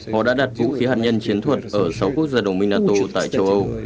họ đã đặt vũ khí hạt nhân chiến thuật ở sáu quốc gia đồng minh nato tại châu âu